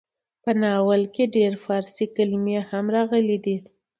په ناول کې ډېر فارسي کلمې هم راغلې ډي.